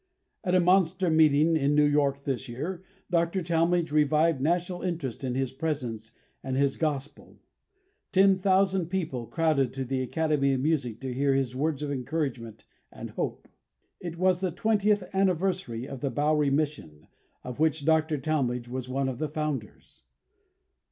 At a monster meeting in New York this year Dr. Talmage revived national interest in his presence and his Gospel. Ten thousand people crowded to the Academy of Music to hear his words of encouragement and hope. It was the twentieth anniversary of the Bowery Mission, of which Dr. Talmage was one of the founders.